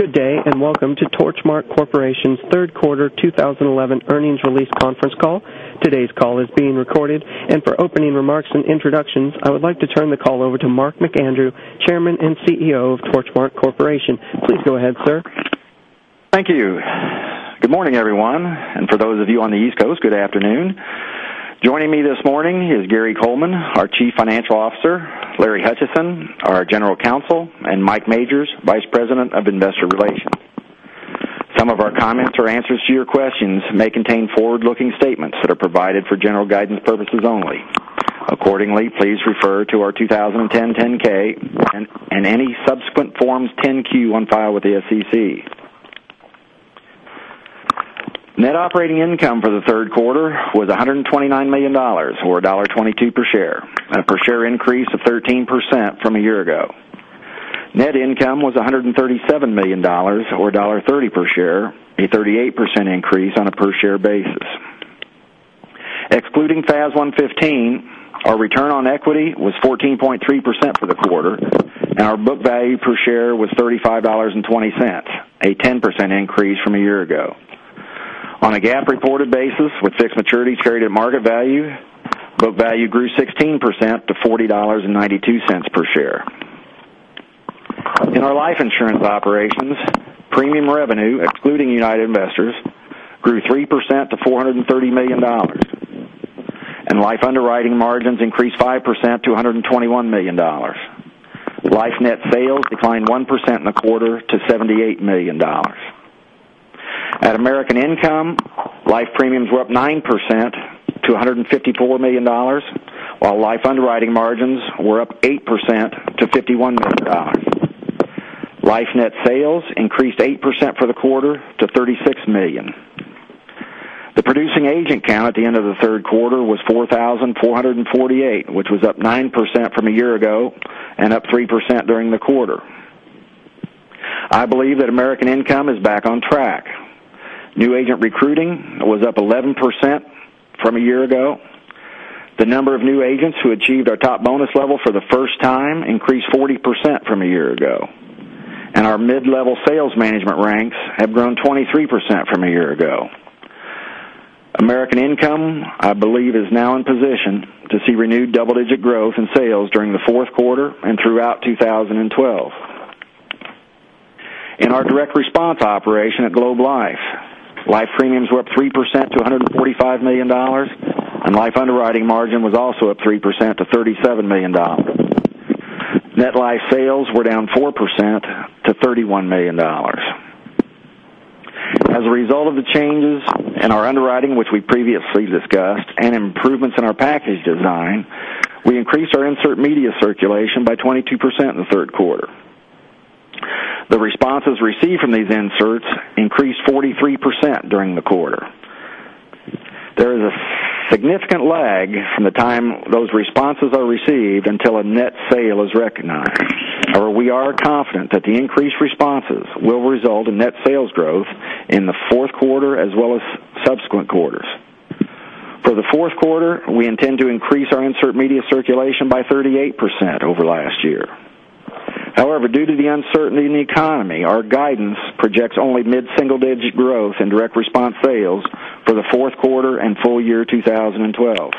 Good day, and welcome to Torchmark Corporation's third quarter 2011 earnings release conference call. Today's call is being recorded, and for opening remarks and introductions, I would like to turn the call over to Mark McAndrew, Chairman and CEO of Torchmark Corporation. Please go ahead, sir. Thank you. Good morning, everyone, and for those of you on the East Coast, good afternoon. Joining me this morning is Gary Coleman, our Chief Financial Officer, Larry Hutchison, our General Counsel, and Mike Majors, Vice President of Investor Relations. Some of our comments or answers to your questions may contain forward-looking statements that are provided for general guidance purposes only. Accordingly, please refer to our 2010 10-K and any subsequent Forms 10-Q on file with the SEC. Net operating income for the third quarter was $129 million, or $1.22 per share, a per share increase of 13% from a year ago. Net income was $137 million or $1.30 per share, a 38% increase on a per share basis. Excluding FAS 115, our return on equity was 14.3% for the quarter, and our book value per share was $35.20, a 10% increase from a year ago. On a GAAP-reported basis with fixed maturities carried at market value, book value grew 16% to $40.92 per share. In our life insurance operations, premium revenue, excluding United Investors, grew 3% to $430 million, and life underwriting margins increased 5% to $121 million. Life net sales declined 1% in the quarter to $78 million. At American Income, life premiums were up 9% to $154 million, while life underwriting margins were up 8% to $51 million. Life net sales increased 8% for the quarter to $36 million. The producing agent count at the end of the third quarter was 4,448, which was up 9% from a year ago and up 3% during the quarter. I believe that American Income is back on track. New agent recruiting was up 11% from a year ago. The number of new agents who achieved our top bonus level for the first time increased 40% from a year ago, and our mid-level sales management ranks have grown 23% from a year ago. American Income, I believe, is now in position to see renewed double-digit growth in sales during the fourth quarter and throughout 2012. In our direct response operation at Globe Life, life premiums were up 3% to $145 million, and life underwriting margin was also up 3% to $37 million. Net life sales were down 4% to $31 million. As a result of the changes in our underwriting, which we previously discussed, and improvements in our package design, we increased our insert media circulation by 22% in the third quarter. The responses received from these inserts increased 43% during the quarter. There is a significant lag from the time those responses are received until a net sale is recognized. We are confident that the increased responses will result in net sales growth in the fourth quarter as well as subsequent quarters. For the fourth quarter, we intend to increase our insert media circulation by 38% over last year. Due to the uncertainty in the economy, our guidance projects only mid-single-digit growth in direct response sales for the fourth quarter and full year 2012.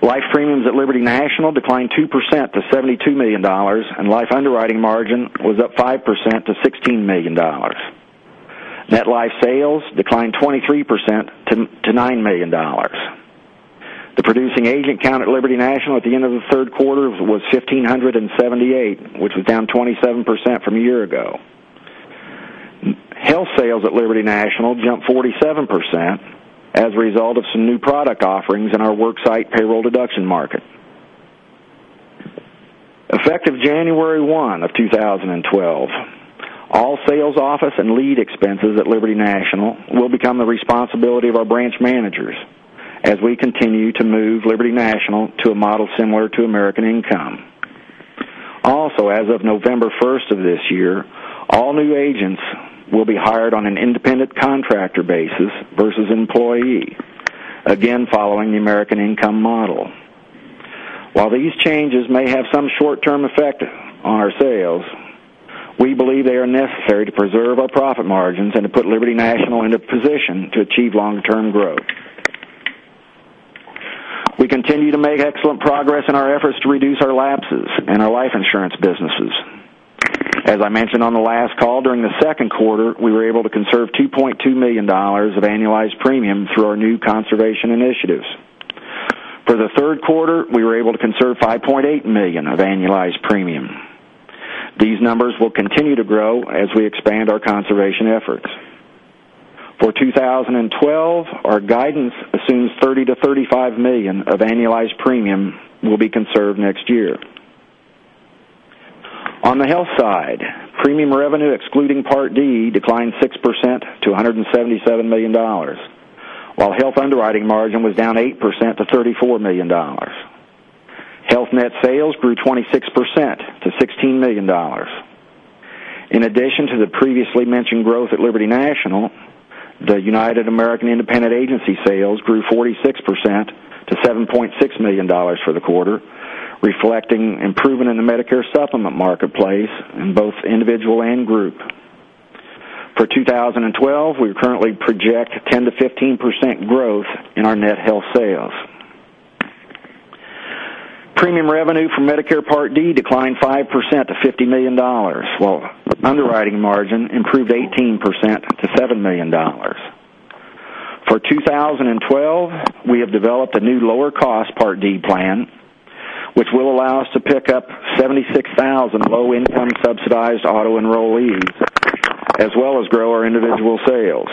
Life premiums at Liberty National declined 2% to $72 million, and life underwriting margin was up 5% to $16 million. Net life sales declined 23% to $9 million. The producing agent count at Liberty National at the end of the third quarter was 1,578, which was down 27% from a year ago. Health sales at Liberty National jumped 47% as a result of some new product offerings in our worksite payroll deduction market. Effective January 1 of 2012, all sales office and lead expenses at Liberty National will become the responsibility of our branch managers as we continue to move Liberty National to a model similar to American Income. As of November 1st of this year, all new agents will be hired on an independent contractor basis versus employee, again, following the American Income model. While these changes may have some short-term effect on our sales, we believe they are necessary to preserve our profit margins and to put Liberty National in a position to achieve long-term growth. We continue to make excellent progress in our efforts to reduce our lapses in our life insurance businesses. As I mentioned on the last call, during the second quarter, we were able to conserve $2.2 million of annualized premium through our new conservation initiatives. For the third quarter, we were able to conserve $5.8 million of annualized premium. These numbers will continue to grow as we expand our conservation efforts. For 2012, our guidance assumes $30 million-$35 million of annualized premium will be conserved next year. On the health side, premium revenue excluding Part D declined 6% to $177 million, while health underwriting margin was down 8% to $34 million. Health net sales grew 26% to $16 million. In addition to the previously mentioned growth at Liberty National, the United American Independent Agency sales grew 46% to $7.6 million for the quarter, reflecting improvement in the Medicare supplement marketplace in both individual and group. For 2012, we currently project 10%-15% growth in our net health sales. Premium revenue for Medicare Part D declined 5% to $50 million, while underwriting margin improved 18% to $7 million. For 2012, we have developed a new lower-cost Part D plan, which will allow us to pick up 76,000 low-income subsidized auto enrollees as well as grow our individual sales.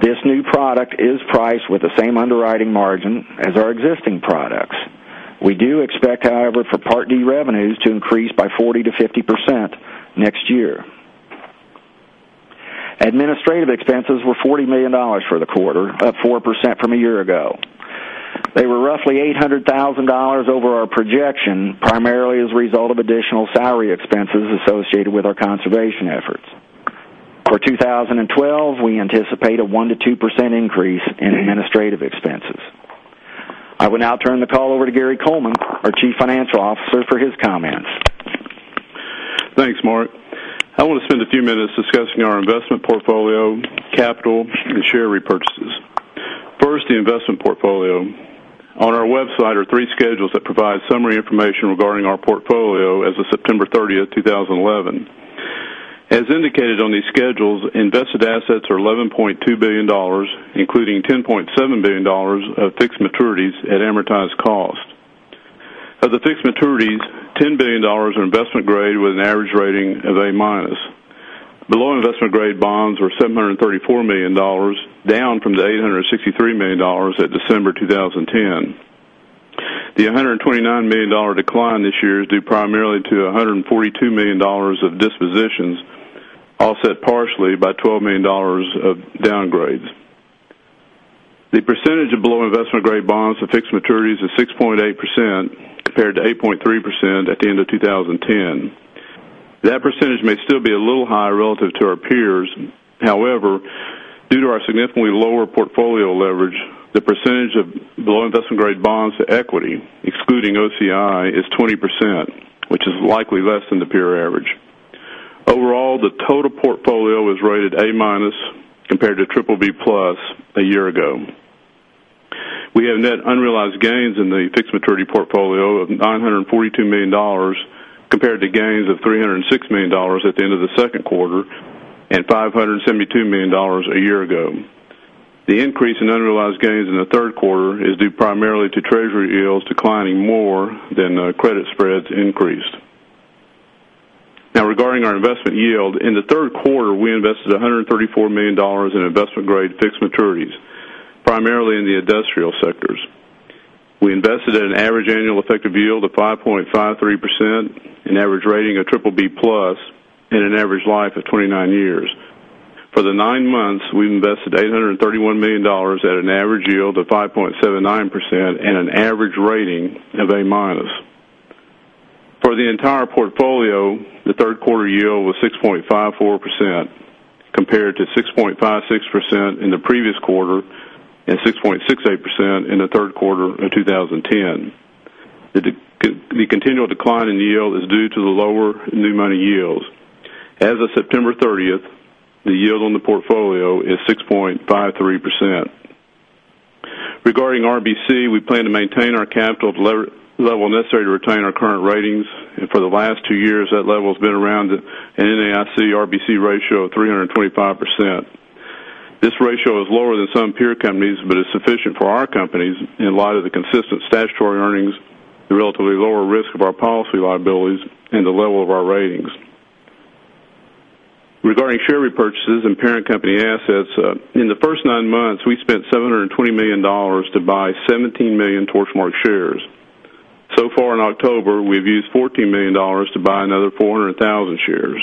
This new product is priced with the same underwriting margin as our existing products. We do expect, however, for Part D revenues to increase by 40%-50% next year. Administrative expenses were $40 million for the quarter, up 4% from a year ago. They were roughly $800,000 over our projection, primarily as a result of additional salary expenses associated with our conservation efforts. For 2012, we anticipate a 1%-2% increase in administrative expenses. I will now turn the call over to Gary Coleman, our Chief Financial Officer, for his comments. Thanks, Mark. I want to spend a few minutes discussing our investment portfolio, capital, and share repurchases. First, the investment portfolio. On our website are three schedules that provide summary information regarding our portfolio as of September 30th, 2011. As indicated on these schedules, invested assets are $11.2 billion, including $10.7 billion of fixed maturities at amortized cost. Of the fixed maturities, $10 billion are investment grade with an average rating of A-minus. Below investment-grade bonds were $734 million, down from the $863 million at December 2010. The $129 million decline this year is due primarily to $142 million of dispositions, offset partially by $12 million of downgrades. The percentage of below-investment-grade bonds to fixed maturities is 6.8%, compared to 8.3% at the end of 2010. That percentage may still be a little high relative to our peers. Due to our significantly lower portfolio leverage, the percentage of below-investment-grade bonds to equity, excluding OCI, is 20%, which is likely less than the peer average. Overall, the total portfolio was rated A-minus compared to BBB-plus a year ago. We have net unrealized gains in the fixed maturity portfolio of $942 million compared to gains of $306 million at the end of the second quarter and $572 million a year ago. The increase in unrealized gains in the third quarter is due primarily to Treasury yields declining more than the credit spreads increased. Regarding our investment yield, in the third quarter, we invested $134 million in investment-grade fixed maturities, primarily in the industrial sectors. We invested at an average annual effective yield of 5.53%, an average rating of BBB-plus, and an average life of 29 years. For the nine months, we've invested $831 million at an average yield of 5.79% and an average rating of A-minus. For the entire portfolio, the third quarter yield was 6.54% compared to 6.56% in the previous quarter and 6.68% in the third quarter of 2010. The continual decline in yield is due to the lower new money yields. As of September 30th, the yield on the portfolio is 6.53%. Regarding RBC, we plan to maintain our capital level necessary to retain our current ratings. For the last two years, that level has been around an NAIC RBC ratio of 325%. This ratio is lower than some peer companies, but is sufficient for our companies in light of the consistent statutory earnings, the relatively lower risk of our policy liabilities, and the level of our ratings. Regarding share repurchases and parent company assets, in the first nine months, we spent $720 million to buy 17 million Torchmark shares. So far in October, we've used $14 million to buy another 400,000 shares.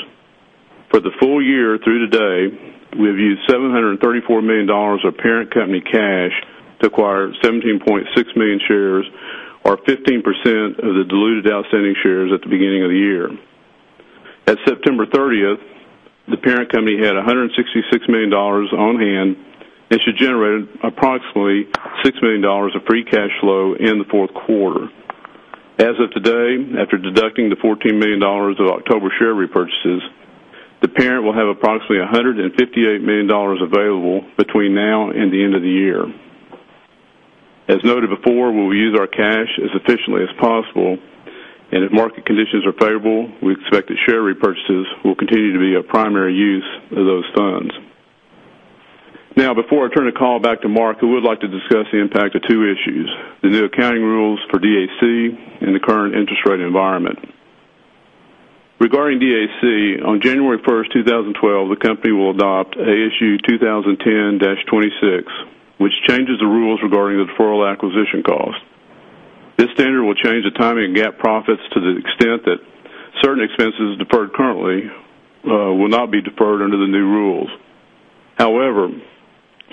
For the full year through today, we have used $734 million of parent company cash to acquire 17.6 million shares or 15% of the diluted outstanding shares at the beginning of the year. At September 30th, the parent company had $166 million on hand and should generate approximately $6 million of free cash flow in the fourth quarter. As of today, after deducting the $14 million of October share repurchases, the parent will have approximately $158 million available between now and the end of the year. As noted before, we will use our cash as efficiently as possible, if market conditions are favorable, we expect that share repurchases will continue to be a primary use of those funds. Before I turn the call back to Mark, I would like to discuss the impact of two issues, the new accounting rules for DAC and the current interest rate environment. Regarding DAC, on January 1st, 2012, the company will adopt ASU 2010-26, which changes the rules regarding the deferral acquisition cost. This standard will change the timing of GAAP profits to the extent that certain expenses deferred currently will not be deferred under the new rules. However,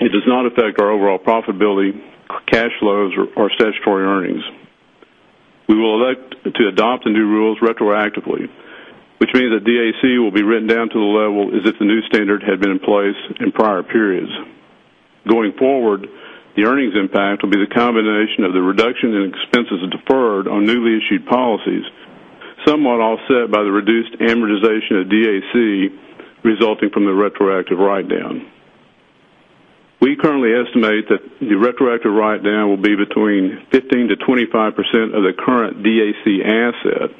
it does not affect our overall profitability, our cash flows, or statutory earnings. We will elect to adopt the new rules retroactively, which means that DAC will be written down to the level as if the new standard had been in place in prior periods. Going forward, the earnings impact will be the combination of the reduction in expenses deferred on newly issued policies, somewhat offset by the reduced amortization of DAC resulting from the retroactive write-down. We currently estimate that the retroactive write-down will be between 15%-25% of the current DAC asset,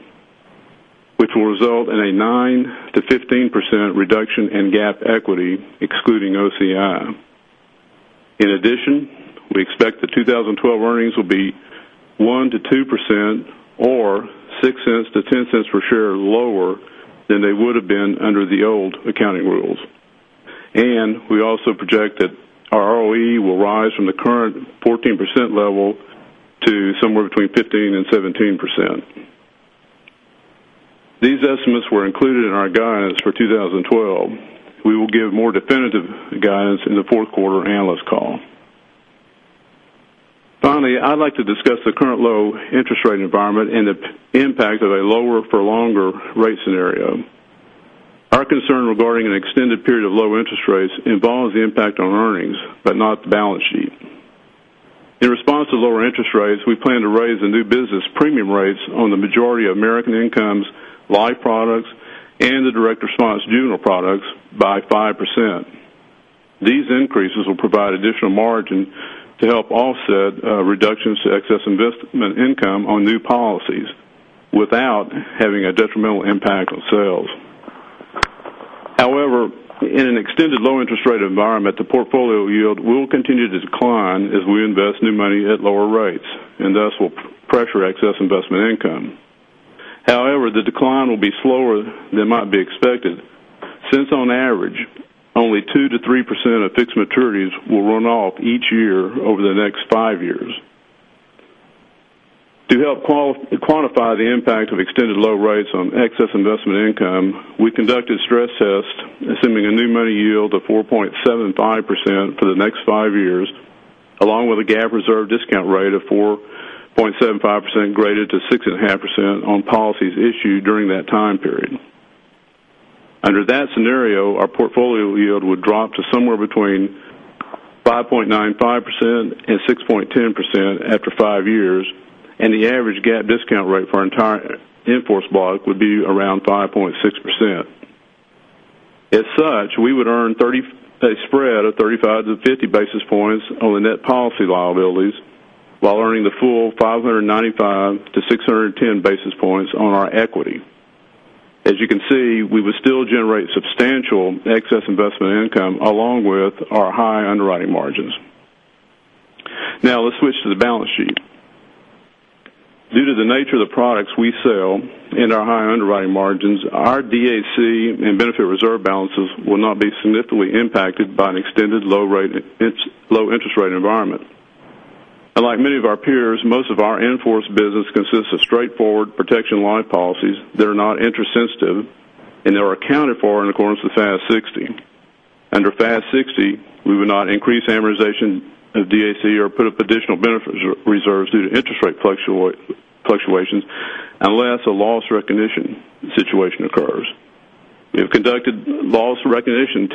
which will result in a 9%-15% reduction in GAAP equity, excluding OCI. In addition, we expect that 2012 earnings will be 1%-2% or $0.06 to $0.10 per share lower than they would have been under the old accounting rules. We also project that our ROE will rise from the current 14% level to somewhere between 15% and 17%. These estimates were included in our guidance for 2012. We will give more definitive guidance in the fourth quarter analyst call. Finally, I'd like to discuss the current low interest rate environment and the impact of a lower for longer rate scenario. Our concern regarding an extended period of low interest rates involves the impact on earnings, but not the balance sheet. In response to lower interest rates, we plan to raise the new business premium rates on the majority of American Income Life products and the direct response funeral products by 5%. These increases will provide additional margin to help offset reductions to excess investment income on new policies without having a detrimental impact on sales. However, in an extended low interest rate environment, the portfolio yield will continue to decline as we invest new money at lower rates and thus will pressure excess investment income. However, the decline will be slower than might be expected, since on average, only 2%-3% of fixed maturities will run off each year over the next 5 years. To help quantify the impact of extended low rates on excess investment income, we conducted stress tests assuming a new money yield of 4.75% for the next 5 years, along with a GAAP reserve discount rate of 4.75% graded to 6.5% on policies issued during that time period. Under that scenario, our portfolio yield would drop to somewhere between 5.95%-6.10% after 5 years, and the average GAAP discount rate for our entire in-force block would be around 5.6%. As such, we would earn a spread of 35 to 50 basis points on the net policy liabilities while earning the full 595 to 610 basis points on our equity. As you can see, we would still generate substantial excess investment income along with our high underwriting margins. Now let's switch to the balance sheet. Due to the nature of the products we sell and our high underwriting margins, our DAC and benefit reserve balances will not be significantly impacted by an extended low interest rate environment. Unlike many of our peers, most of our in-force business consists of straightforward protection life policies that are not interest sensitive, and they were accounted for in accordance with FAS 60. Under FAS 60, we would not increase amortization of DAC or put up additional benefit reserves due to interest rate fluctuations unless a loss recognition situation occurs. We have conducted loss recognition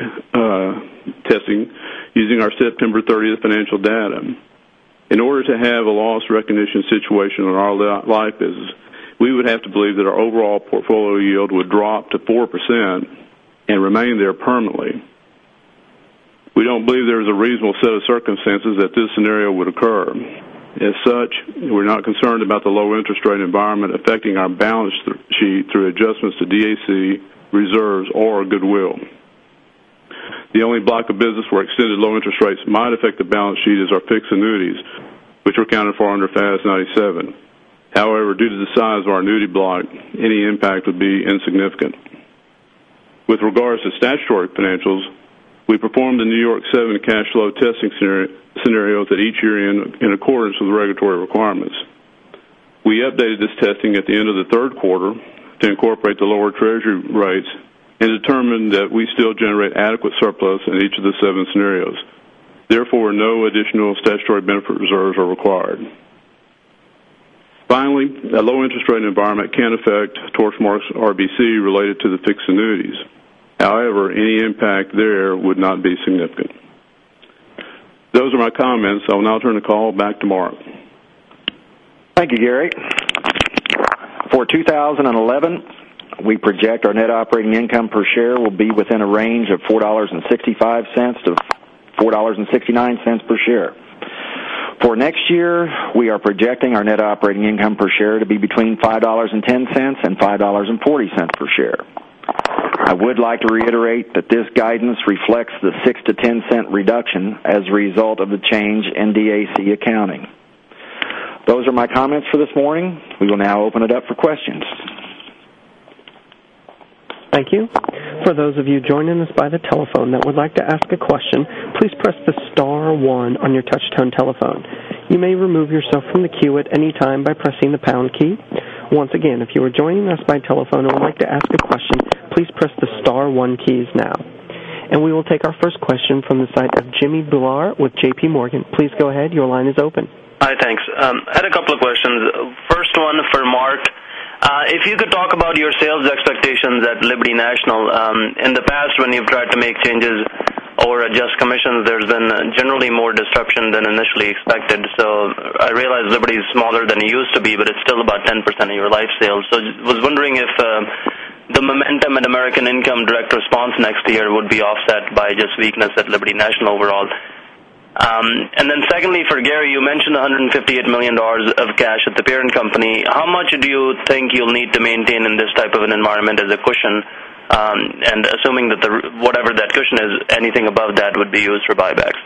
testing using our September 30th financial data. In order to have a loss recognition situation in our life business, we would have to believe that our overall portfolio yield would drop to 4% and remain there permanently. We don't believe there is a reasonable set of circumstances that this scenario would occur. As such, we're not concerned about the low interest rate environment affecting our balance sheet through adjustments to DAC reserves or goodwill. The only block of business where extended low interest rates might affect the balance sheet is our fixed annuities, which were accounted for under FAS 97. However, due to the size of our annuity block, any impact would be insignificant. With regards to statutory financials, we performed the New York 7 cash flow testing scenarios at each year-end in accordance with regulatory requirements. We updated this testing at the end of the third quarter to incorporate the lower treasury rates and determined that we still generate adequate surplus in each of the seven scenarios. Therefore, no additional statutory benefit reserves are required. Finally, a low interest rate environment can affect Torchmark's RBC related to the fixed annuities. However, any impact there would not be significant. Those are my comments. I will now turn the call back to Mark. Thank you, Gary. For 2011, we project our net operating income per share will be within a range of $4.65-$4.69 per share. For next year, we are projecting our net operating income per share to be between $5.10 and $5.40 per share. I would like to reiterate that this guidance reflects the $0.06-$0.10 reduction as a result of the change in DAC accounting. Those are my comments for this morning. We will now open it up for questions. Thank you. For those of you joining us by the telephone that would like to ask a question, please press the star one on your touchtone telephone. You may remove yourself from the queue at any time by pressing the pound key. Once again, if you are joining us by telephone and would like to ask a question, please press the star one keys now. We will take our first question from the site of Jimmy Bhullar with JPMorgan. Please go ahead. Your line is open. Hi, thanks. I had a couple of questions. First one for Mark. If you could talk about your sales expectations at Liberty National. In the past, when you've tried to make changes or adjust commissions, there's been generally more disruption than initially expected. I realize Liberty is smaller than it used to be, but it's still about 10% of your life sales. I was wondering if the momentum at American Income direct response next year would be offset by just weakness at Liberty National overall. Secondly, for Gary, you mentioned $158 million of cash at the parent company. How much do you think you'll need to maintain in this type of an environment as a cushion? Assuming that whatever that cushion is, anything above that would be used for buybacks.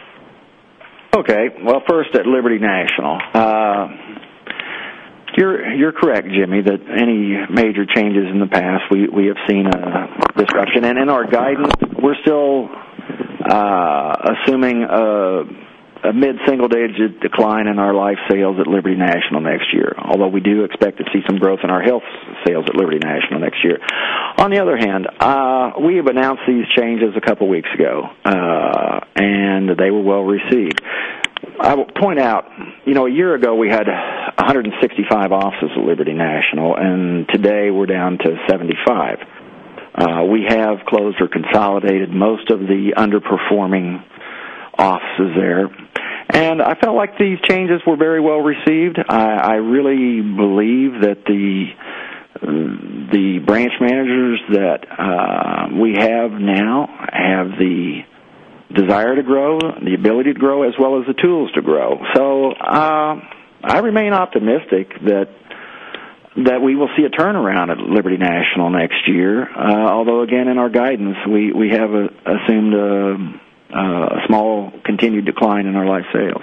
Okay. Well, first at Liberty National. You're correct, Jimmy, that any major changes in the past, we have seen a disruption. In our guidance, we're still assuming a mid-single-digit decline in our life sales at Liberty National next year, although we do expect to see some growth in our health sales at Liberty National next year. On the other hand, we have announced these changes a couple of weeks ago, and they were well-received. I will point out, a year ago, we had 165 offices at Liberty National, and today we're down to 75. We have closed or consolidated most of the underperforming offices there. I felt like these changes were very well-received. I really believe that the branch managers that we have now have the desire to grow, the ability to grow, as well as the tools to grow. I remain optimistic that we will see a turnaround at Liberty National next year. Although again, in our guidance, we have assumed a small continued decline in our life sales.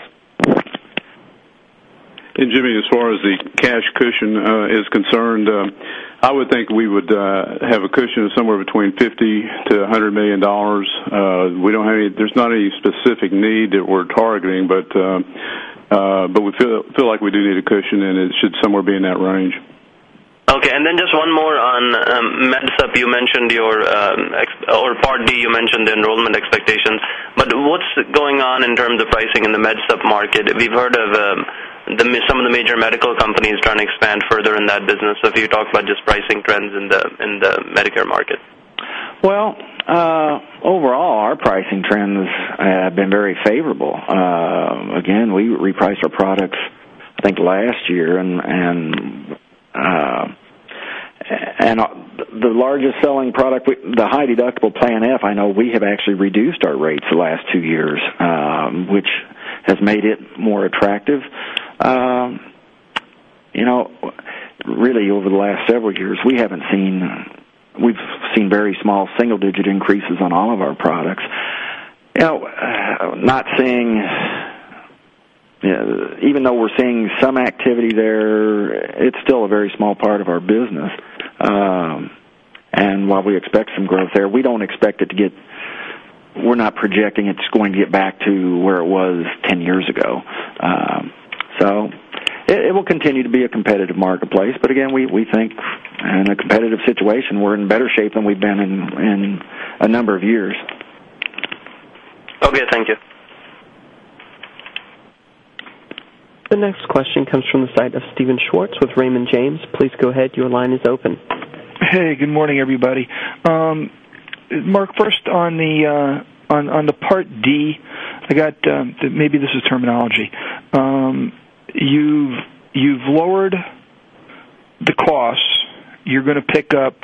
Jimmy, as far as the cash cushion is concerned, I would think we would have a cushion of somewhere between $50 million-$100 million. There's not any specific need that we're targeting, but we feel like we do need a cushion, and it should somewhere be in that range. Okay. Just one more on MedSup, you mentioned or Part D, you mentioned the enrollment expectations, but what's going on in terms of pricing in the MedSup market? We've heard of some of the major medical companies trying to expand further in that business. If you could talk about just pricing trends in the Medicare market. Well, overall, our pricing trends have been very favorable. Again, we repriced our products, I think, last year. The largest selling product, the high deductible Plan F, I know we have actually reduced our rates the last two years, which has made it more attractive. Really over the last several years, we've seen very small single-digit increases on all of our products. Even though we're seeing some activity there, it's still a very small part of our business. While we expect some growth there, we're not projecting it's going to get back to where it was 10 years ago. It will continue to be a competitive marketplace, but again, we think in a competitive situation, we're in better shape than we've been in a number of years. Okay, thank you. The next question comes from the site of Steven Schwartz with Raymond James. Please go ahead. Your line is open. Hey, good morning, everybody. Mark, first on the Part D, maybe this is terminology. You've lowered the cost. You're going to pick up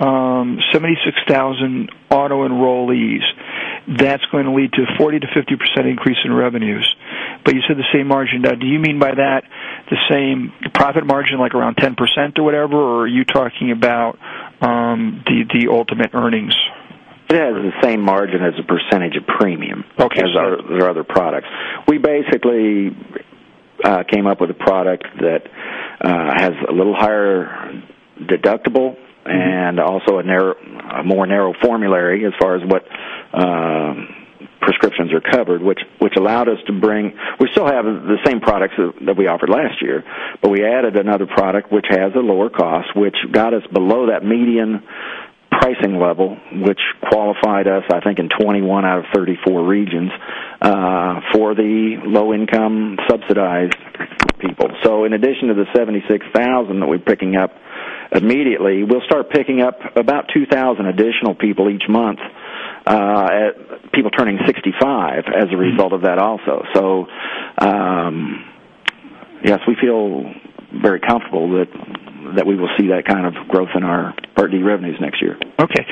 76,000 auto enrollees. That's going to lead to a 40%-50% increase in revenues. You said the same margin. Now, do you mean by that the same profit margin, like around 10% or whatever, or are you talking about the ultimate earnings? Yeah, the same margin as a percentage of premium. Okay As our other products. We basically came up with a product that has a little higher deductible and also a more narrow formulary as far as what prescriptions are covered. We still have the same products that we offered last year. We added another product which has a lower cost, which got us below that median pricing level, which qualified us, I think, in 21 out of 34 regions for the low-income subsidized people. In addition to the 76,000 that we're picking up immediately, we'll start picking up about 2,000 additional people each month, people turning 65 as a result of that also. Yes, we feel very comfortable that we will see that kind of growth in our Part D revenues next year. Okay.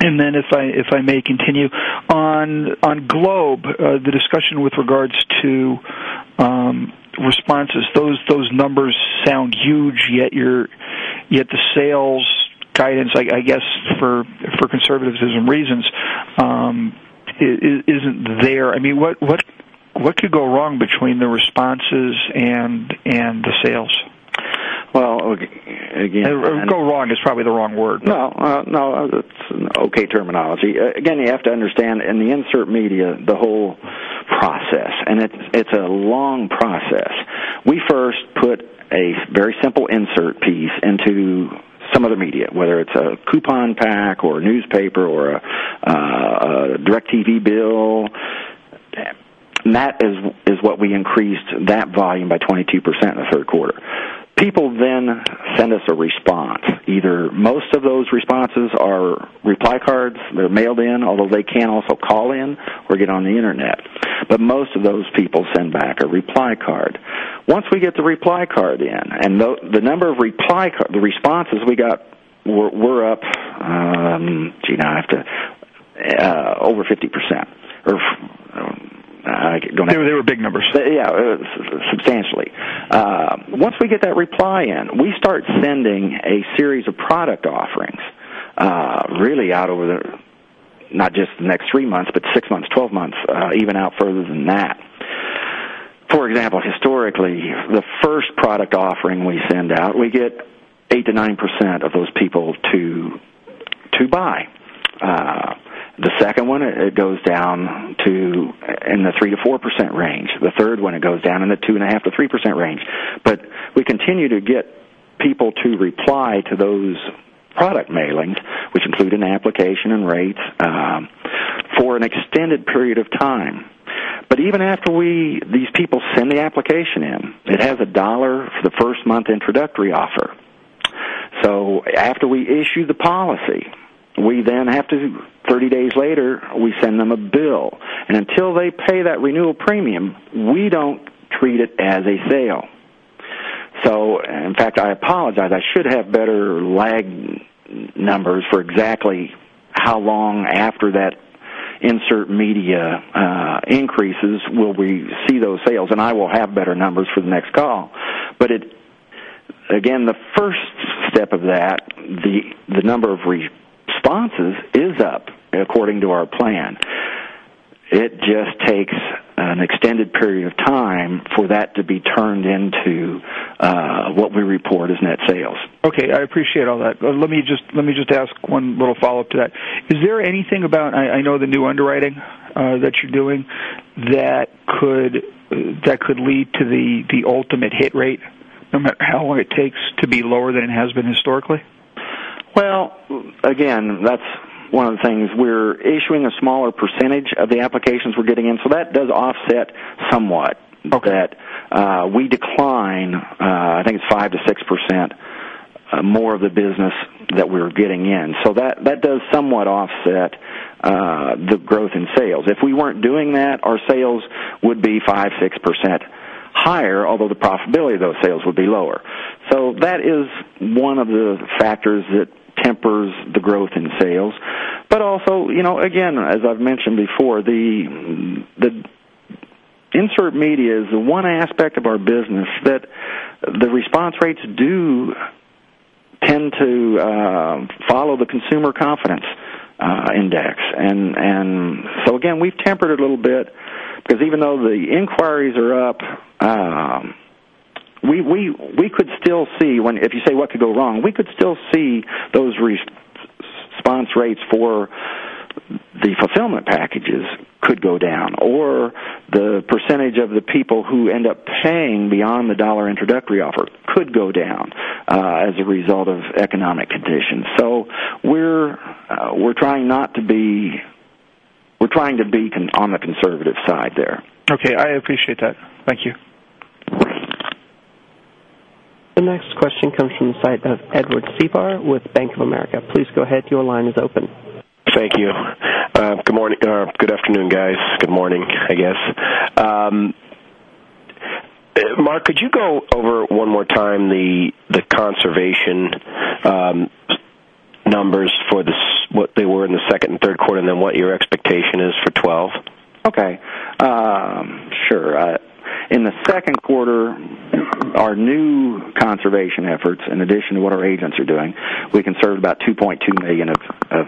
If I may continue. On Globe, the discussion with regards to responses, those numbers sound huge, yet the sales guidance, I guess, for conservatism reasons, isn't there. What could go wrong between the responses and the sales? Well, again. Go wrong is probably the wrong word. No. It's an okay terminology. You have to understand, in the insert media, the whole process, and it's a long process. We first put a very simple insert piece into some other media, whether it's a coupon pack or a newspaper or a DirecTV bill. That is what we increased that volume by 22% in the third quarter. People send us a response. Most of those responses are reply cards. They're mailed in, although they can also call in or get on the internet. Most of those people send back a reply card. Once we get the reply card in, and the number of responses we got were up, gee, Over 50%. Go ahead. They were big numbers. Yeah. Substantially. Once we get that reply in, we start sending a series of product offerings, really out over the, not just the next three months, but six months, 12 months, even out further than that. For example, historically, the first product offering we send out, we get 8%-9% of those people to buy. The second one, it goes down in the 3%-4% range. The third one, it goes down in the 2.5%-3% range. We continue to get people to reply to those product mailings, which include an application and rates, for an extended period of time. Even after these people send the application in, it has a dollar for the first month introductory offer. After we issue the policy, 30 days later, we send them a bill. Until they pay that renewal premium, we don't treat it as a sale. In fact, I apologize, I should have better lag numbers for exactly how long after that insert media increases will we see those sales, and I will have better numbers for the next call. Again, the first step of that, the number of responses is up according to our plan. It just takes an extended period of time for that to be turned into what we report as net sales. Okay. I appreciate all that. Let me just ask one little follow-up to that. Is there anything about, I know the new underwriting that you're doing, that could lead to the ultimate hit rate, no matter how long it takes to be lower than it has been historically? Well, again, that's one of the things. We're issuing a smaller percentage of the applications we're getting in. That does offset somewhat. Okay. That we decline, I think it's 5%-6% more of the business that we're getting in. That does somewhat offset the growth in sales. If we weren't doing that, our sales would be 5%, 6% higher, although the profitability of those sales would be lower. That is one of the factors that tempers the growth in sales. Also, again, as I've mentioned before, the insert media is the one aspect of our business that the response rates do tend to follow the consumer confidence index. We've tempered it a little bit because even though the inquiries are up, we could still see when, if you say what could go wrong, we could still see those response rates for the fulfillment packages could go down, or the percentage of the people who end up paying beyond the $1 introductory offer could go down as a result of economic conditions. We're trying to be on the conservative side there. Okay. I appreciate that. Thank you. The next question comes from the site of Edward Seaborn with Bank of America. Please go ahead. Your line is open. Thank you. Good afternoon, guys. Good morning, I guess. Mark, could you go over one more time the conservation numbers for what they were in the second and third quarter, and then what your expectation is for 12? Okay. Sure. In the second quarter, our new conservation efforts, in addition to what our agents are doing, we conserved about $2.2 million of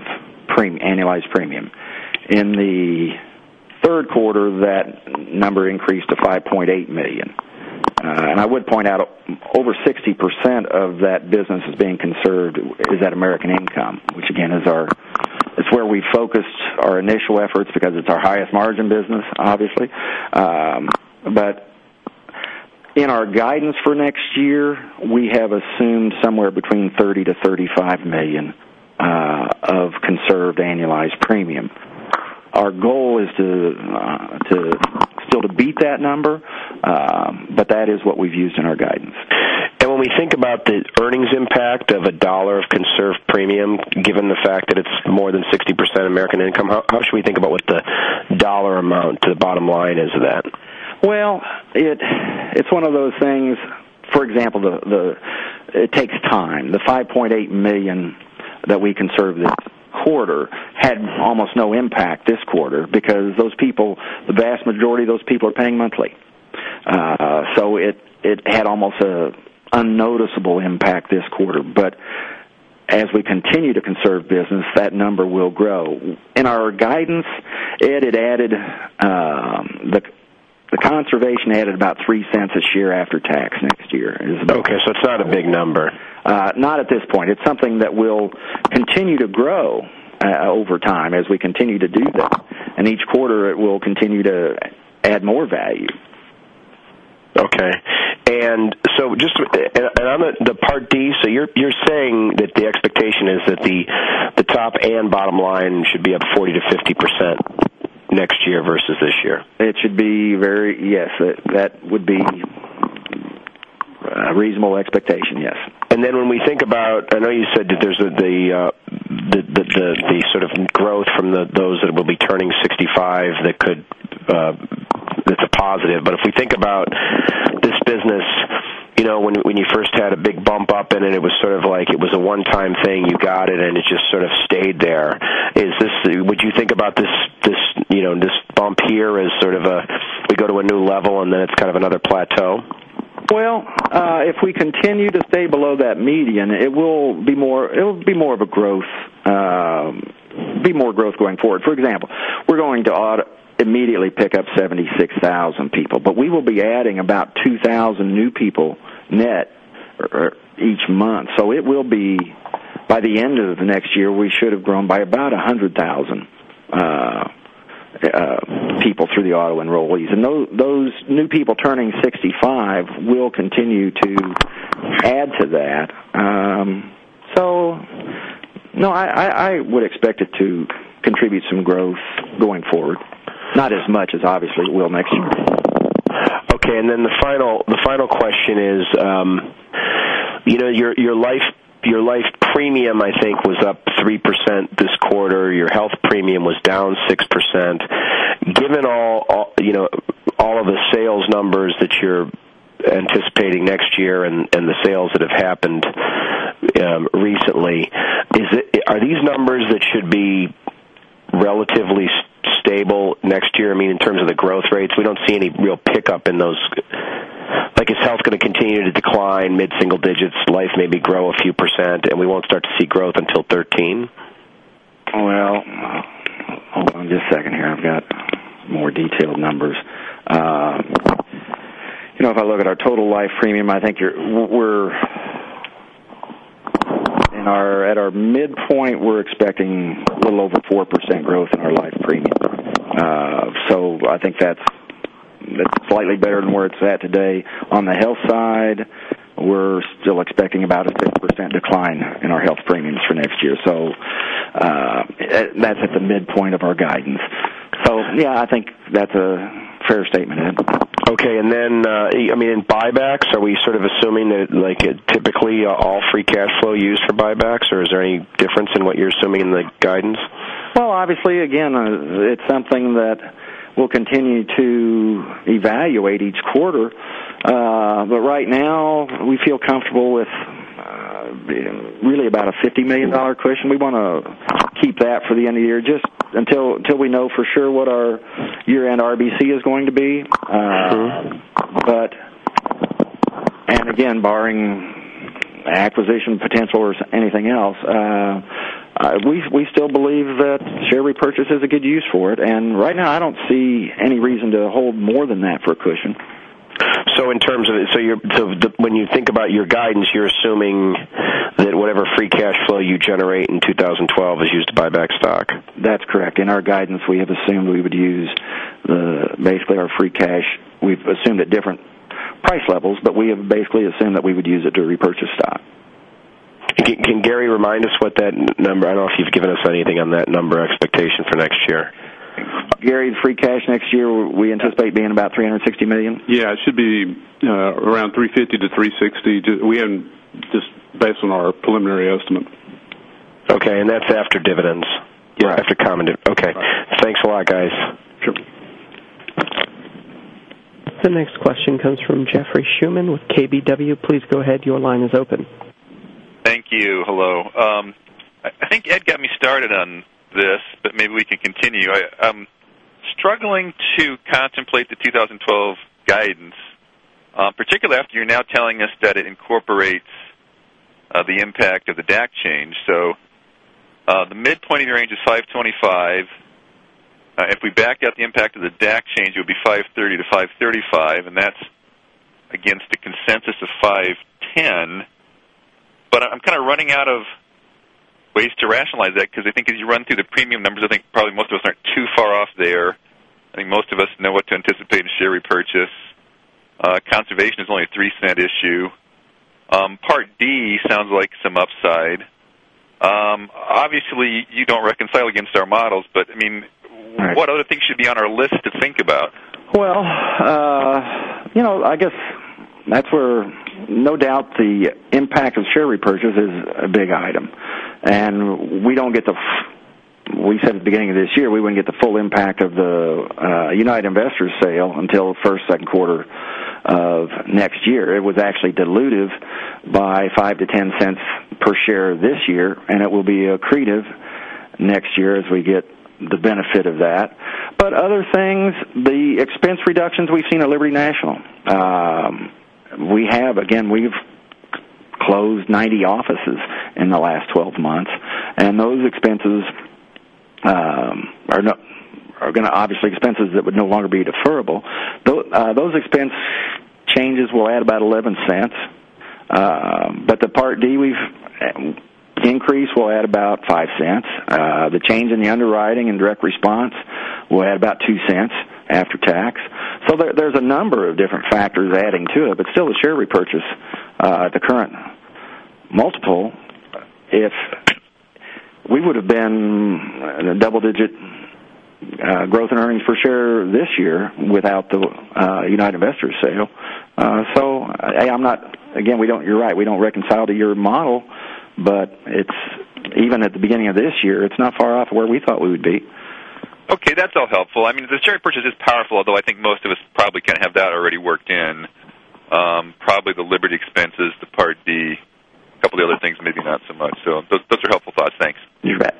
annualized premium. In the third quarter, that number increased to $5.8 million. I would point out over 60% of that business is being conserved is at American Income, which again, it's where we focused our initial efforts because it's our highest margin business, obviously. In our guidance for next year, we have assumed somewhere between $30 million-$35 million of conserved annualized premium. Our goal is still to beat that number. That is what we've used in our guidance. When we think about the earnings impact of a dollar of conserved premium, given the fact that it's more than 60% American Income, how should we think about what the dollar amount to the bottom line is of that? Well, it's one of those things. For example, it takes time. The $5.8 million that we conserved this quarter had almost no impact this quarter because the vast majority of those people are paying monthly. It had almost an unnoticeable impact this quarter. As we continue to conserve business, that number will grow. In our guidance, Ed, the conservation added about $0.03 a share after tax next year is about. Okay. It's not a big number. Not at this point. It's something that will continue to grow over time as we continue to do that. Each quarter it will continue to add more value. Okay. On the Part D, you're saying that the expectation is that the top and bottom line should be up 40%-50% next year versus this year? Yes. That would be a reasonable expectation, yes. When we think about, I know you said that there's the sort of growth from those that will be turning 65 that's a positive, but if we think about this business, when you first had a big bump up and then it was sort of like it was a one-time thing, you got it, and it just sort of stayed there. Would you think about this bump here as sort of a, we go to a new level and then it's kind of another plateau? Well, if we continue to stay below that median, it will be more growth going forward. For example, we're going to immediately pick up 76,000 people, but we will be adding about 2,000 new people net each month. It will be, by the end of the next year, we should have grown by about 100,000 people through the auto enrollees. Those new people turning 65 will continue to add to that. No, I would expect it to contribute some growth going forward. Not as much as obviously it will next year. Okay, the final question is, your life premium, I think, was up 3% this quarter. Your health premium was down 6%. Given all of the sales numbers that you're anticipating next year and the sales that have happened recently, are these numbers that should be relatively stable next year? I mean, in terms of the growth rates, we don't see any real pickup in those. Like you said, it's going to continue to decline mid-single digits, life maybe grow a few percent, we won't start to see growth until 2013. Well, hold on just a second here. I've got more detailed numbers. If I look at our total life premium, I think at our midpoint, we're expecting a little over 4% growth in our life premium. I think that's slightly better than where it's at today. On the health side, we're still expecting about a 6% decline in our health premiums for next year. That's at the midpoint of our guidance. Yeah, I think that's a fair statement, Ed. Okay. In buybacks, are we sort of assuming that, like typically all free cash flow used for buybacks, or is there any difference in what you're assuming in the guidance? Obviously, again, it's something that we'll continue to evaluate each quarter. Right now, we feel comfortable with really about a $50 million cushion. We want to keep that for the end of the year, just until we know for sure what our year-end RBC is going to be. Sure. Again, barring acquisition potential or anything else, we still believe that share repurchase is a good use for it. Right now, I don't see any reason to hold more than that for a cushion. When you think about your guidance, you're assuming that whatever free cash flow you generate in 2012 is used to buy back stock. That's correct. In our guidance, we have assumed we would use basically our free cash. We've assumed at different price levels, but we have basically assumed that we would use it to repurchase stock. Can Gary remind us what that number, I don't know if he's given us anything on that number expectation for next year. Gary, free cash next year, we anticipate being about $360 million? Yeah, it should be around $350-$360. Just based on our preliminary estimate. Okay, that's after dividends? Right. Okay. Thanks a lot, guys. Sure. The next question comes from Jeffrey Shuman with KBW. Please go ahead. Your line is open. Thank you. Hello. I think Ed got me started on this, maybe we can continue. I'm struggling to contemplate the 2012 guidance, particularly after you're now telling us that it incorporates the impact of the DAC change. The midpoint of your range is 525. If we back out the impact of the DAC change, it would be 530 to 535, and that's against a consensus of 510. I'm kind of running out of ways to rationalize that because I think as you run through the premium numbers, I think probably most of us aren't too far off there. I think most of us know what to anticipate in share repurchase. Conservation is only a $0.03 issue. Part D sounds like some upside. Obviously, you don't reconcile against our models, I mean. Right What other things should be on our list to think about? Well, I guess that's where no doubt the impact of share repurchase is a big item. We said at the beginning of this year, we wouldn't get the full impact of the United Investors sale until the first, second quarter of next year. It was actually dilutive by $0.05 to $0.10 per share this year, and it will be accretive next year as we get the benefit of that. Other things, the expense reductions we've seen at Liberty National. Again, we've closed 90 offices in the last 12 months, and those expenses that would no longer be deferrable. Those expense changes will add about $0.11. The Part D we've increased will add about $0.05. The change in the underwriting and direct response will add about $0.02 after tax. There's a number of different factors adding to it, still the share repurchase at the current multiple, if we would've been in a double-digit growth in earnings for sure this year without the United Investors sale. Again, you're right, we don't reconcile to your model, even at the beginning of this year, it's not far off from where we thought we would be. Okay. That's all helpful. The share purchase is powerful, although I think most of us probably kind of have that already worked in. Probably the Liberty expenses, the Part D, a couple of the other things, maybe not so much. Those are helpful thoughts. Thanks. You bet.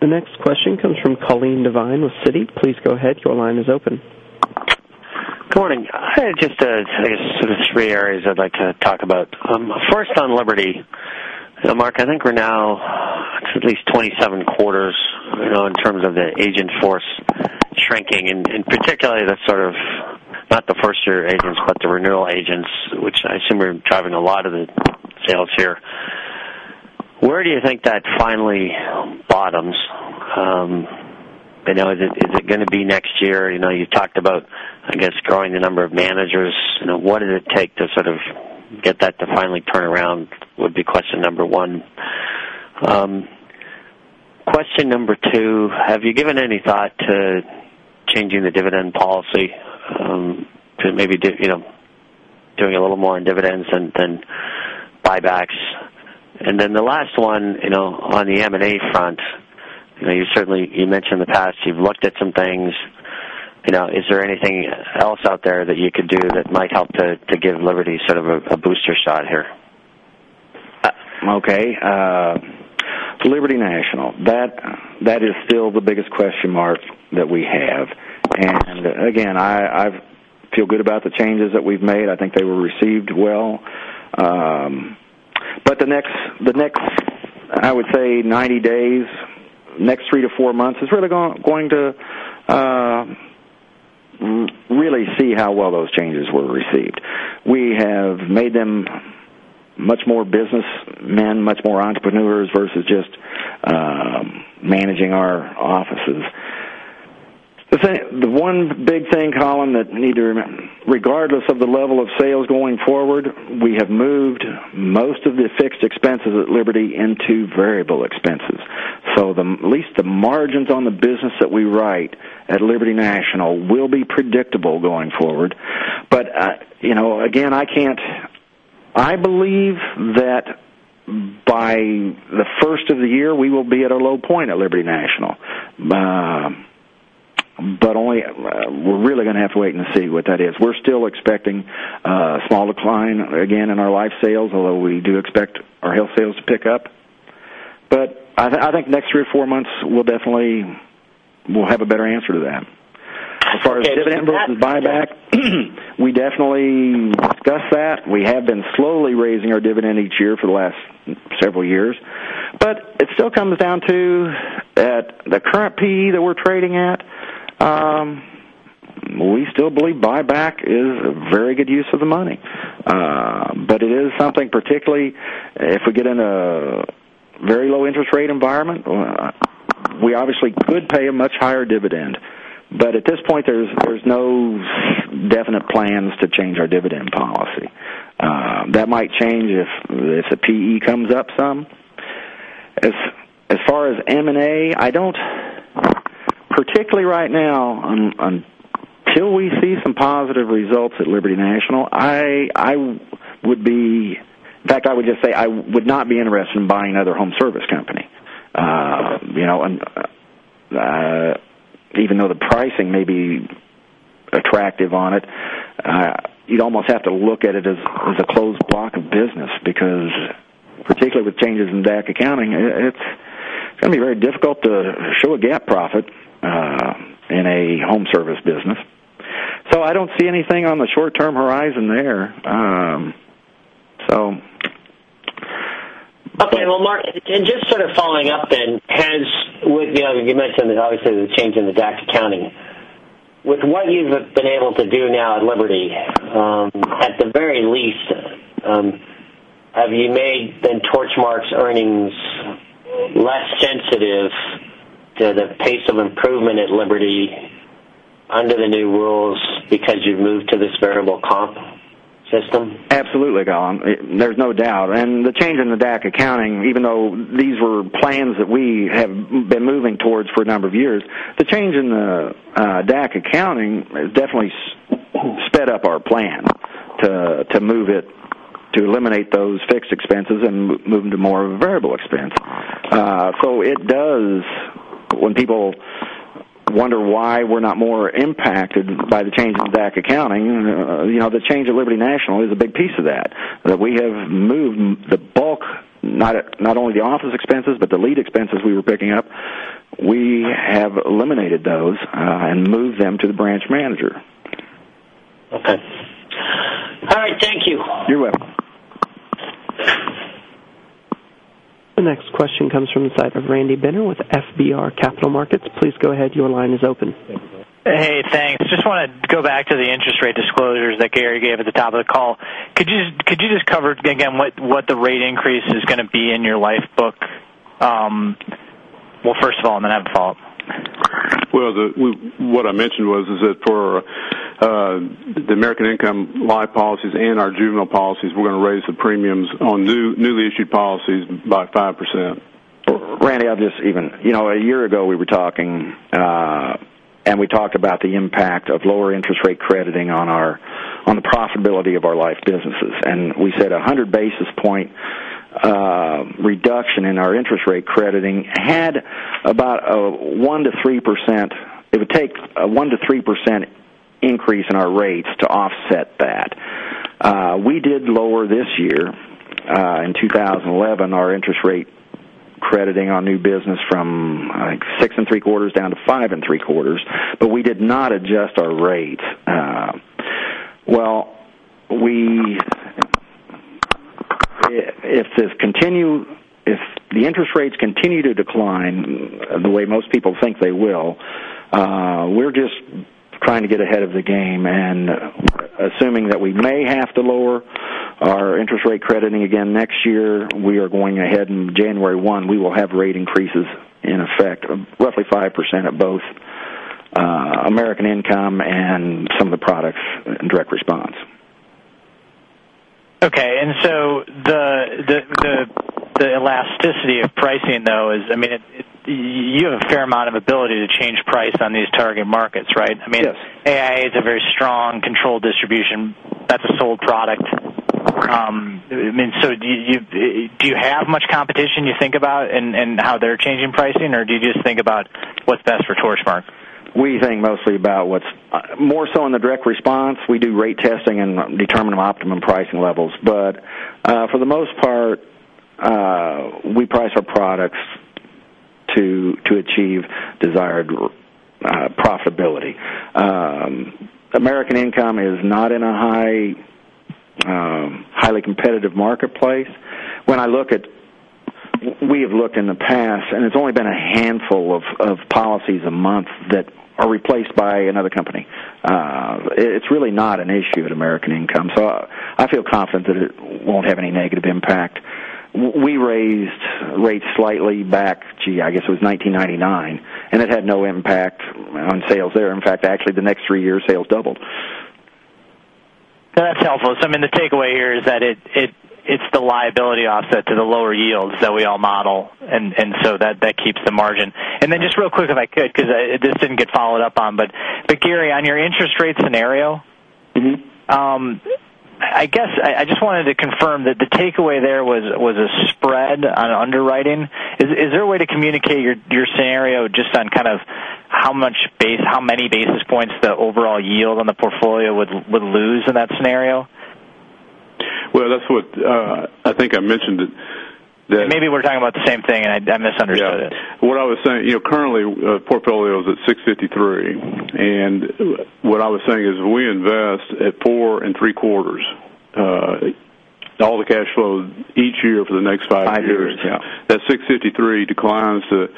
The next question comes from Colleen Devine with Citi. Please go ahead. Your line is open. Good morning. I had just sort of three areas I'd like to talk about. First, on Liberty. Mark, I think we're now at least 27 quarters in terms of the agent force shrinking, particularly the sort of not the first-year agents, but the renewal agents, which I assume are driving a lot of the sales here. Where do you think that finally bottoms? Is it going to be next year? You've talked about, I guess, growing the number of managers. What did it take to sort of get that to finally turn around, would be question number one. Question number two, have you given any thought to changing the dividend policy? To maybe doing a little more in dividends than buybacks. The last one, on the M&A front. You mentioned in the past you've looked at some things. Is there anything else out there that you could do that might help to give Liberty sort of a booster shot here? Okay. Liberty National. That is still the biggest question mark that we have. Again, I feel good about the changes that we've made. I think they were received well. But the next, I would say 90 days, next three to four months, is really going to really see how well those changes were received. We have made them much more businessmen, much more entrepreneurs versus just managing our offices. The one big thing, Coleen, that you need to remember, regardless of the level of sales going forward, we have moved most of the fixed expenses at Liberty into variable expenses. At least the margins on the business that we write at Liberty National will be predictable going forward. Again, I believe that by the first of the year, we will be at a low point at Liberty National. We're really going to have to wait and see what that is. We're still expecting a small decline again in our life sales, although we do expect our health sales to pick up. I think the next three or four months, we'll have a better answer to that. As far as dividend versus buyback, we definitely discussed that. We have been slowly raising our dividend each year for the last several years. It still comes down to at the current PE that we're trading at, we still believe buyback is a very good use of the money. It is something, particularly if we get in a very low interest rate environment, we obviously could pay a much higher dividend. At this point, there's no definite plans to change our dividend policy. That might change if the PE comes up some. As far as M&A, particularly right now, until we see some positive results at Liberty National, in fact, I would just say I would not be interested in buying another home service company. Even though the pricing may be attractive on it, you'd almost have to look at it as a closed block of business, because particularly with changes in DAC accounting, it's going to be very difficult to show a GAAP profit in a home service business. I don't see anything on the short-term horizon there. Okay. Well, Mark, just sort of following up then. You mentioned that obviously the change in the DAC accounting. With what you've been able to do now at Liberty, at the very least, have you made then Torchmark's earnings less sensitive to the pace of improvement at Liberty under the new rules because you've moved to this variable comp system? Absolutely, Colleen. There's no doubt. The change in the DAC accounting, even though these were plans that we have been moving towards for a number of years, the change in the DAC accounting has definitely sped up our plan to eliminate those fixed expenses and move them to more of a variable expense. When people wonder why we're not more impacted by the change in DAC accounting, the change at Liberty National is a big piece of that. We have moved the bulk, not only the office expenses, but the lead expenses we were picking up. We have eliminated those and moved them to the branch manager. Okay. All right. Thank you. You're welcome. The next question comes from the side of Randy Binner with FBR Capital Markets. Please go ahead. Your line is open. Thank you. Hey, thanks. Just want to go back to the interest rate disclosures that Gary gave at the top of the call. Could you just cover again what the rate increase is going to be in your life book? Well, first of all, then I have a follow-up. Well, what I mentioned was is that for the American Income Life policies and our juvenile policies, we're going to raise the premiums on newly issued policies by 5%. Randy, a year ago we were talking, we talked about the impact of lower interest rate crediting on the profitability of our life businesses. We said a 100-basis point reduction in our interest rate crediting had about a one to 3%, it would take a one to 3% increase in our rates to offset that. We did lower this year, in 2011, our interest rate crediting on new business from, I think, six and three quarters down to five and three quarters, we did not adjust our rates. Well, if the interest rates continue to decline the way most people think they will, we're just trying to get ahead of the game and assuming that we may have to lower our interest rate crediting again next year. We are going ahead, on January 1, we will have rate increases in effect, roughly 5% of both American Income Life and some of the products in direct response. Okay. The elasticity of pricing, though, you have a fair amount of ability to change price on these target markets, right? Yes. AIA is a very strong controlled distribution. That's a sold product. Do you have much competition you think about in how they're changing pricing, or do you just think about what's best for Torchmark? We think mostly about what's more so in the direct response. We do rate testing and determine optimum pricing levels. For the most part, we price our products to achieve desired profitability. American Income is not in a highly competitive marketplace. We have looked in the past, and it's only been a handful of policies a month that are replaced by another company. It's really not an issue at American Income. I feel confident that it won't have any negative impact. We raised rates slightly back, gee, I guess it was 1999, and it had no impact on sales there. In fact, actually the next three years, sales doubled. That's helpful. The takeaway here is that it's the liability offset to the lower yields that we all model, and so that keeps the margin. Just real quick, if I could, because this didn't get followed up on, but Gary, on your interest rate scenario. I guess I just wanted to confirm that the takeaway there was a spread on underwriting. Is there a way to communicate your scenario just on kind of how many basis points the overall yield on the portfolio would lose in that scenario? Well, that's what I think I mentioned that. Maybe we're talking about the same thing and I misunderstood it. Yeah. What I was saying, currently, our portfolio is at 653, and what I was saying is if we invest at 4.75%, all the cash flow each year for the next five years. Five years. Yeah. That 653 declines to,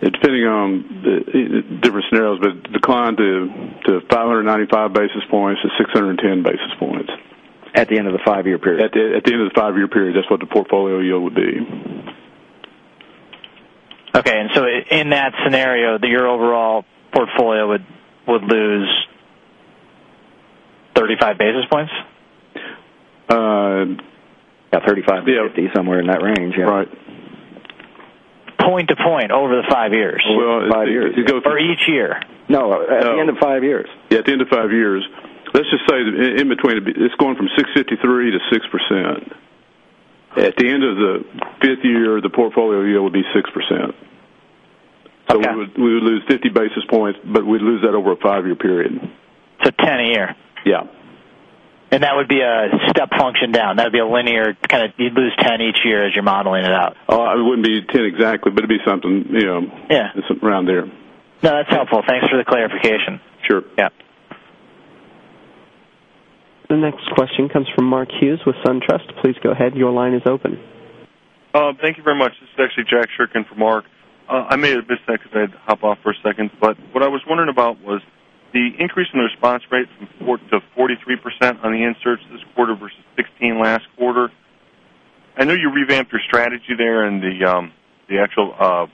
depending on different scenarios, but decline to 595 basis points to 610 basis points. At the end of the five-year period. At the end of the five-year period, that's what the portfolio yield would be. Okay. In that scenario, your overall portfolio would lose 35 basis points? Yeah, 35 to 50, somewhere in that range. Yeah. Right. Point to point over the five years. Well, it goes- Each year. No, at the end of five years. Yeah, at the end of five years. Let's just say in between, it's going from 6.53% to 6%. At the end of the fifth year, the portfolio yield would be 6%. Okay. We would lose 50 basis points, but we'd lose that over a five-year period. 10 a year. Yeah. That would be a step function down. That'd be a linear kind of, you'd lose 10 each year as you're modeling it out. It wouldn't be 10 exactly, but it'd be something. Yeah. Around there. No, that's helpful. Thanks for the clarification. Sure. Yeah. The next question comes from Mark Hughes with SunTrust. Please go ahead. Your line is open. Thank you very much. This is actually Jack Sherck for Mark. I may have missed that because I had to hop off for a second, but what I was wondering about was the increase in the response rate was 43% on the inserts this quarter versus 16% last quarter. I know you revamped your strategy there in the actual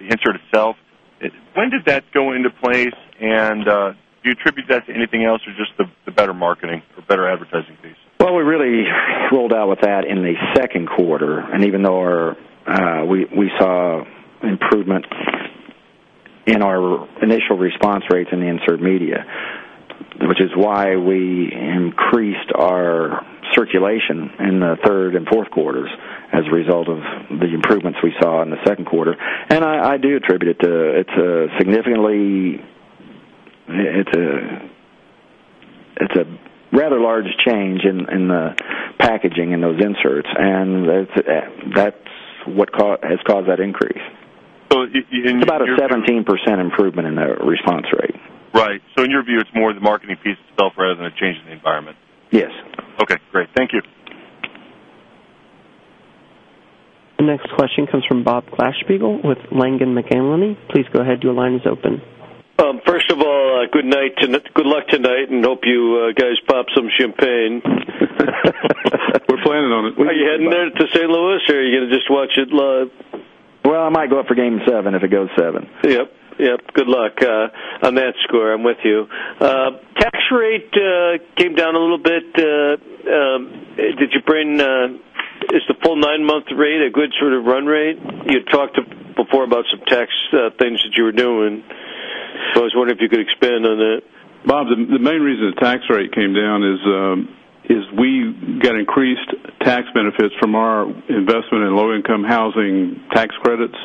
insert itself. When did that go into place? Do you attribute that to anything else or just the better marketing or better advertising piece? Well, we really rolled out with that in the second quarter, even though we saw improvement in our initial response rates in the insert media, which is why we increased our circulation in the third and fourth quarters as a result of the improvements we saw in the second quarter. I do attribute it to, it's a rather large change in the packaging in those inserts, and that's what has caused that increase. So- It's about a 17% improvement in the response rate. Right. In your view, it's more the marketing piece itself rather than a change in the environment. Yes. Okay, great. Thank you. The next question comes from Bob Glasspiegel with Langen McAlenney. Please go ahead. Your line is open. First of all, good luck tonight and hope you guys pop some champagne. We're planning on it. Are you heading there to St. Louis or are you going to just watch it live? Well, I might go up for game seven if it goes seven. Yep. Good luck. On that score, I'm with you. Tax rate, came down a little bit. Is the full nine-month rate a good sort of run rate? You had talked before about some tax things that you were doing, so I was wondering if you could expand on that. Bob, the main reason the tax rate came down is we got increased tax benefits from our investment in low-income housing tax credits.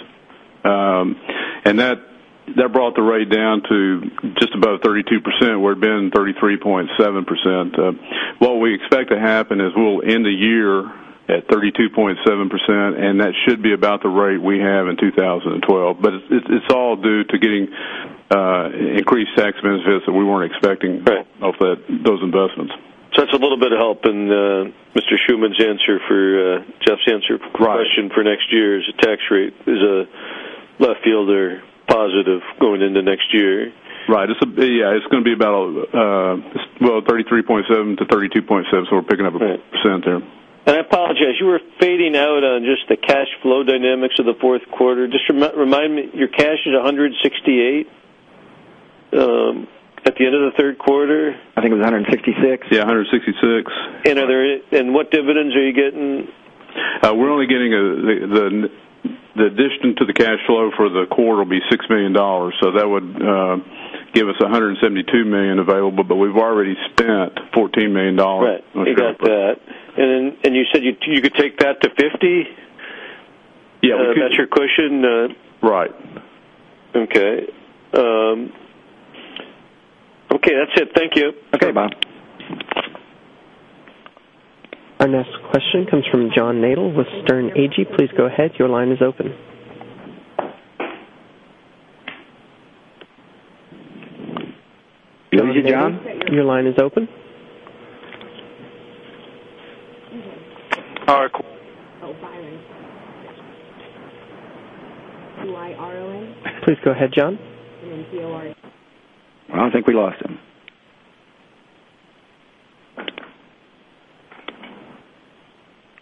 That brought the rate down to just about 32%, where it had been 33.7%. What we expect to happen is we'll end the year at 32.7%, and that should be about the rate we have in 2012. It's all due to getting increased tax benefits that we weren't expecting. Right off those investments. That's a little bit of help in Mr. Shuman's answer for, Jeff's answer. Right For question for next year is the tax rate is a left-fielder positive going into next year. Right. It's going to be about, well, 33.7 to 32.7, so we're picking up a % there. I apologize, you were fading out on just the cash flow dynamics of the fourth quarter. Just remind me, your cash is 168, at the end of the third quarter? I think it was 166. Yeah, 166. What dividends are you getting? The addition to the cash flow for the quarter will be $6 million. That would give us $172 million available, but we've already spent $14 million. Right. You got that. You said you could take that to 50? Yeah. That's your cushion? Right. Okay. Okay, that's it. Thank you. Okay, Bob. Our next question comes from John Nadel with Sterne Agee. Please go ahead. Your line is open. Are you there, John? Your line is open. Okay. Oh, Byron. B-Y-R-O-N. Please go ahead, John. Then T-O-N. I think we lost him.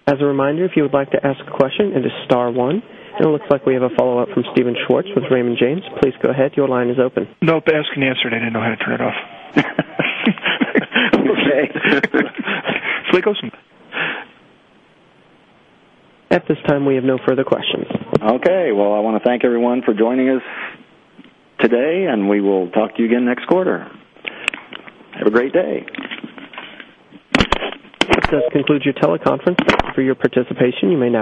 As a reminder, if you would like to ask a question, it is star one. It looks like we have a follow-up from Steven Schwartz with Raymond James. Please go ahead. Your line is open. Nope, I asked and answered. I didn't know how to turn it off. Okay. It goes. At this time, we have no further questions. Okay. Well, I want to thank everyone for joining us today, and we will talk to you again next quarter. Have a great day. This does conclude your teleconference. Thank you for your participation. You may now.